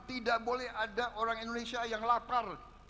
tidak boleh ada orang indonesia yang berpikir pikir seperti itu